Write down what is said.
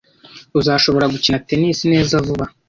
Uzashobora gukina tennis neza vuba.